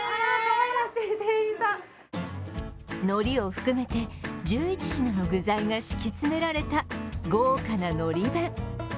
のりを含めて１１品の具材が敷き詰められた豪華なのり弁。